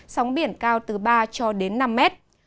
sóng biển cao từ ba năm mét